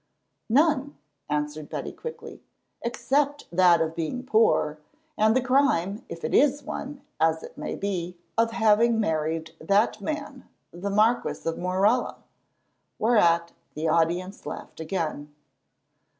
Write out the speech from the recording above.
"None," answered Betty quickly, "except that of being poor, and the crime, if it is one, as it may be, of having married that man, the Marquis of Morella," whereat the audience laughed again.